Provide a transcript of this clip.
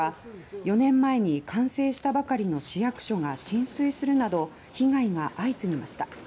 ４年前に完成したばかりの市役所が浸水するなど被害が相次ぎました。